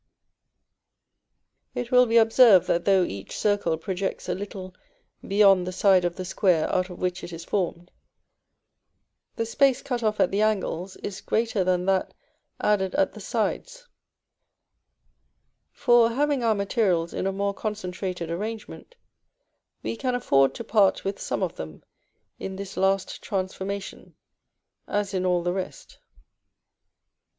It will be observed that though each circle projects a little beyond the side of the square out of which it is formed, the space cut off at the angles is greater than that added at the sides; for, having our materials in a more concentrated arrangement, we can afford to part with some of them in this last transformation, as in all the rest.